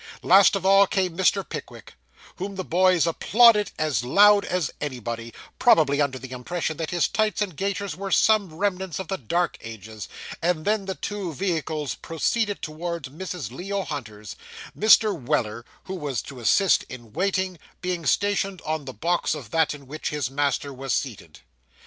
Last of all came Mr. Pickwick, whom the boys applauded as loud as anybody, probably under the impression that his tights and gaiters were some remnants of the dark ages; and then the two vehicles proceeded towards Mrs. Leo Hunter's; Mr. Weller (who was to assist in waiting) being stationed on the box of that in which his master was seated.